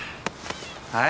はい？